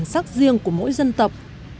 mà là sắc riêng của mỗi dân tộc